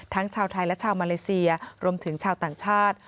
ชาวไทยและชาวมาเลเซียรวมถึงชาวต่างชาติ